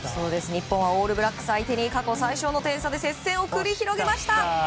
日本はオールブラックス相手に過去最少の点差で接戦を繰り広げました。